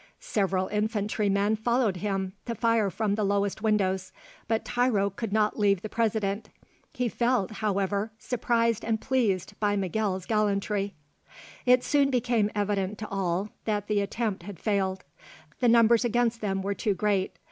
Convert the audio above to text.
Several infantrymen followed him to fire from the lowest windows, but Tiro could not leave the President; he felt, however, surprised and pleased by Miguel's gallantry. It soon became evident to all that the attempt had failed. The numbers against them were too great.